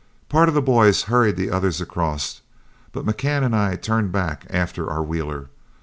Part of the boys hurried the others across, but McCann and I turned back after our wheeler.